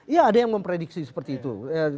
ya ada yang memprediksi seperti itu